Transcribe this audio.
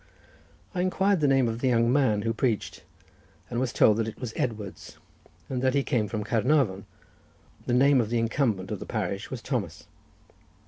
I inquired the name of the young man who preached, and was told that it was Edwards, and that he came from Caernarvon. The name of the incumbent of the parish was Thomas.